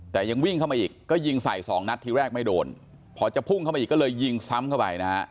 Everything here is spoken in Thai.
แต่ยังวิ่งเข้ามาอีกก็ยิงใส่สองนัดทีแรกไม่โดนพอจะพุ่งเข้ามาอีกก็เลยยิงซ้ำเข้าไปนะฮะ